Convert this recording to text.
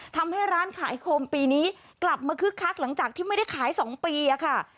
ทำให้ร้านขายโคมปีนี้กลับมาคึกคักหลังจากที่ไม่ได้ขาย๒ปีค่ะ